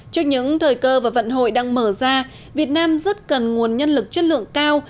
trước những thời cơ và vận hội đang mở ra việt nam rất cần nguồn nhân lực chất lượng cao